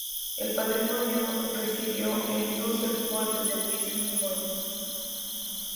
El matrimonio residió en Düsseldorf desde ese mismo año.